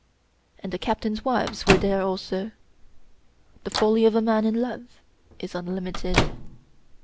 And the Captains' wives were there also. The folly of a man in love is unlimited.